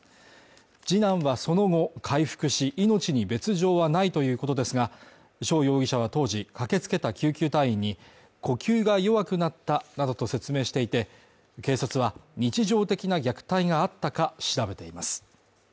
次男はその後回復し、命に別状はないということですが、翔容疑者は当時、駆けつけた救急隊員に呼吸が弱くなったなどと説明していて、警察は日常的な虐待があったか調べています。